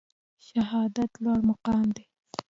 شهادت لوړ مقام دی